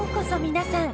皆さん。